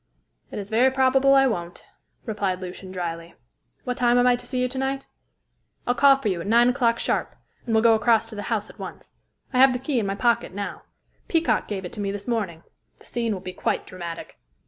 "It is very probable I won't," replied Lucian drily. "What time am I to see you to night?" "I'll call for you at nine o'clock sharp, and we'll go across to the house at once. I have the key in my pocket now. Peacock gave it to me this morning. The scene will be quite dramatic."